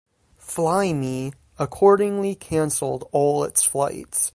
FlyMe accordingly cancelled all its flights.